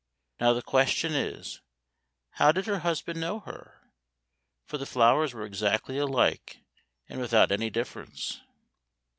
Now the question is, how did her husband know her, for the flowers were exactly alike, and without any difference?